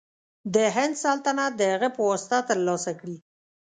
د هند سلطنت د هغه په واسطه تر لاسه کړي.